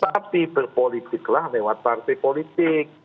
tapi berpolitiklah lewat partai politik